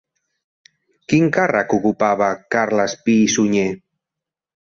Quin càrrec ocupava Carles Pi i Sunyer?